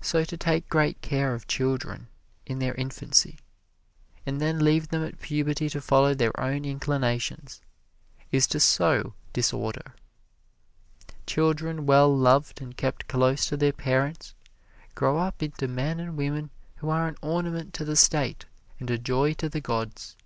So to take great care of children in their infancy, and then leave them at puberty to follow their own inclinations, is to sow disorder. Children well loved and kept close to their parents grow up into men and women who are an ornament to the State and a joy to the gods.